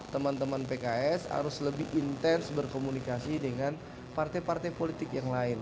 teman teman pks harus lebih intens berkomunikasi dengan partai partai politik yang lain